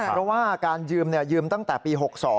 เพราะว่าการยืมยืมตั้งแต่ปี๖๒